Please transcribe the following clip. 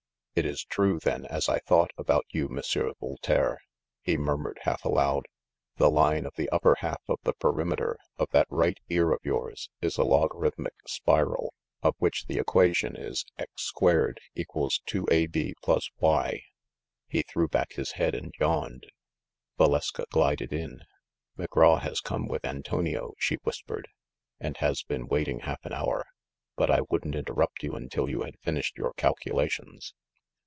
"It is true, then, as I thought, about you, Monsieur Voltaire," he murmured, half aloud. "The line of the upper half of the perimeter of that right ear of yours is a logarithmic spiral, of which the equation is x* = 2ab + y." He threw back his head and yawned. Valeska glided in. "McGraw has come with An tonio," she whispered, "and has been waiting half an hour; but I wouldn't interrupt you until you had fin ished your calculations.